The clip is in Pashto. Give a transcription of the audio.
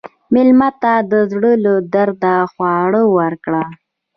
مېلمه ته د زړه له درده خواړه ورکړه.